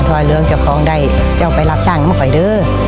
ถ้าเลือกเจ้าของได้เจ้าไปรับจ้างมันค่อยเด้อ